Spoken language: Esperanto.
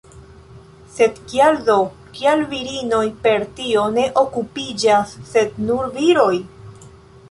Sed kial do, kial virinoj per tio ne okupiĝas, sed nur viroj?